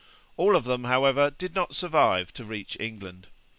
All of them, however, did not survive to reach England.